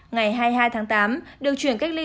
ngày hai mươi hai tháng tám được chuyển cách ly